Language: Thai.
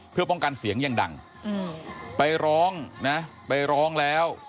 เพื่อป้องกันเสียงยังดังไปร้องนะไปร้องแล้ว